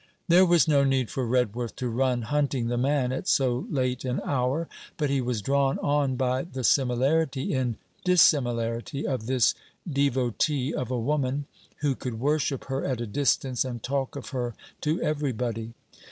There was no need for Redworth to run hunting the man at so late an hour, but he was drawn on by the similarity in dissimilarity of this devotee of a woman, who could worship her at a distance, and talk of her to everybody.